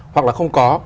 hoặc là không có